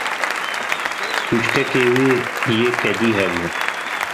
Kûçikê wê yê kedî hebû.